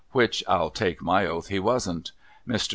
'•— which I'll take my oath he wasn't. Mr.